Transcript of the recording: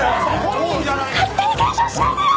勝手に検証しないでよ！